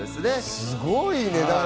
すごいね。